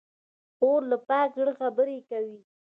خور له پاک زړه خبرې کوي.